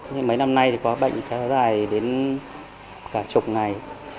nhưng mấy năm nay thì có bệnh kéo dài đến cả chục ngày